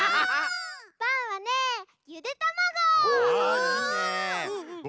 バウはねゆでたまご！